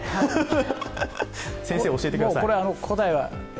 先生、教えてください。